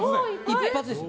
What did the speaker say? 一発ですよ。